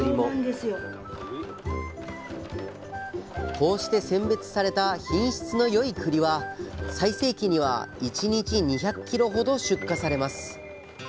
こうして選別された品質の良いくりは最盛期には１日２００キロほど出荷されます。